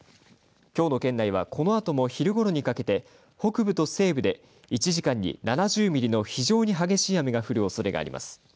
きょうの県内はこのあとも昼ごろにかけて北部と西部で１時間に７０ミリの非常に激しい雨が降るおそれがあります。